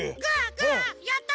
グー？やった！